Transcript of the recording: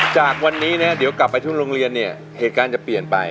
จากวันนี้นะเดี๋ยวกลับไปที่โรงเรียนเนี่ยเหตุการณ์จะเปลี่ยนไป